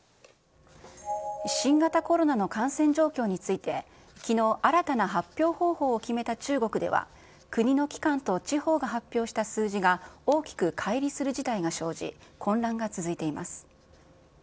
新型コロナの感染状況について、きのう新たな発表方法を決めた中国では、国の機関と地方が発表した数字が大きくかい離する事態が生じ、混乱が生じています。